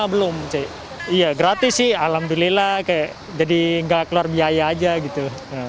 belum iya gratis sih alhamdulillah jadi nggak keluar biaya aja gitu